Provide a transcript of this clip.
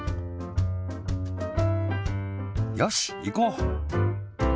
よしいこう！